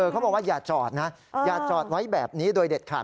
เขาบอกว่าอย่าจอดนะอย่าจอดไว้แบบนี้โดยเด็ดขาด